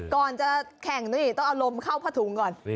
ก่อนจะแข่งนี่ต้องเอาลมเข้าผ้าถุงก่อน